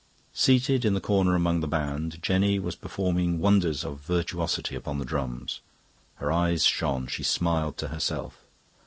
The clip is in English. Seated in the corner among the band, Jenny was performing wonders of virtuosity upon the drums. Her eyes shone, she smiled to herself.